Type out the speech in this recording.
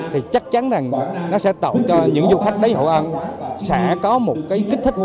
thì chắc chắn rằng nó sẽ tạo cho những du khách đến hội an sẽ có một cái kích thích